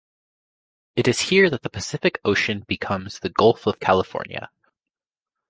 It is here that the Pacific Ocean becomes the Gulf of California.